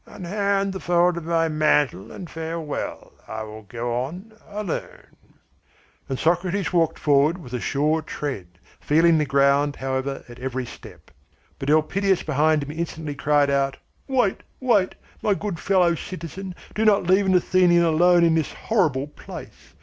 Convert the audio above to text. Unhand the fold of my mantle, and farewell. I will go on alone." And Socrates walked forward with a sure tread, feeling the ground, however, at every step. But Elpidias behind him instantly cried out: "Wait, wait, my good fellow citizen, do not leave an Athenian alone in this horrible place!